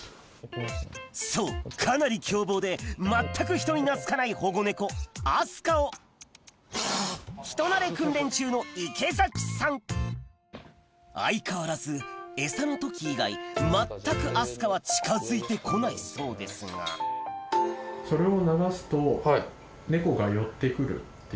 そうかなり凶暴で全く人に懐かない保護猫明日香を人なれ訓練中の池崎さん相変わらずエサの時以外全く明日香は近づいて来ないそうですがそれを流すと猫が寄って来るっていう。